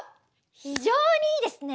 非常にいいですね！